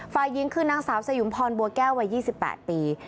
ฝ่ายหญิงคือนางสาวสยุมพรบัวแก้ววัย๒๘ปี